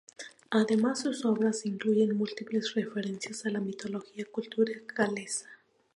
Además, sus obras incluyen múltiples referencias a la mitología y cultura galesa.